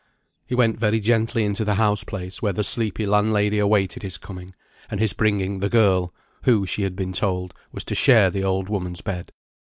He went very gently into the house place where the sleepy landlady awaited his coming and his bringing the girl, who, she had been told, was to share the old woman's bed.